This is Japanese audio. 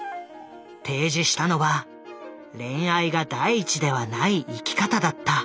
提示したのは恋愛が第一ではない生き方だった。